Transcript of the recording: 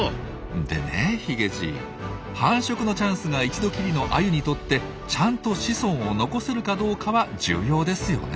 でねヒゲじい繁殖のチャンスが一度きりのアユにとってちゃんと子孫を残せるかどうかは重要ですよね。